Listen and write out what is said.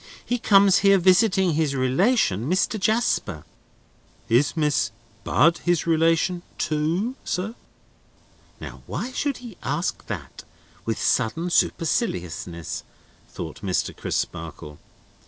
He comes here visiting his relation, Mr. Jasper." "Is Miss Bud his relation too, sir?" ("Now, why should he ask that, with sudden superciliousness?" thought Mr. Crisparkle.)